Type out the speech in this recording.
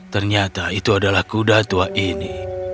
ternyata itu adalah kuda tua ini